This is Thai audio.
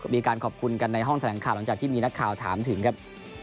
มีการขอบคุณกันในห้องแถลงข่าวหลังจากที่มีนักข่าวถามถึงครับ